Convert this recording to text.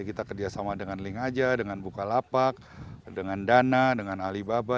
kita kerjasama dengan link aja dengan bukalapak dengan dana dengan alibaba